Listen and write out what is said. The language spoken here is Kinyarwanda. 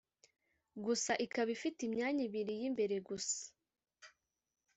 Gusa ikaba ifite imyanya ibiri y’imbere gusa